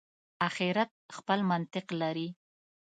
آخرت خپل منطق لري.